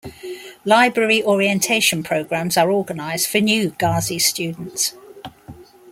Library orientation programs are organized for new Gazi students.